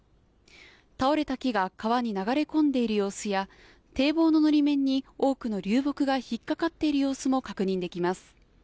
倒れた木が川に流れ込んでいる様子や堤防ののり面に多くの流木が引っ掛かっている様子も確認できます。